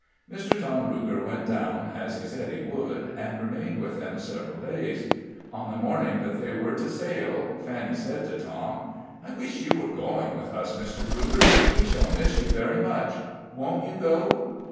Mr. Tom Ruger went down, as he said he would, and remained with them several days. On the morning that they were to sail, Fanny said to Tom: "I wish you were going with us, Mr. Ruger. We shall miss you very much. Won't you go?"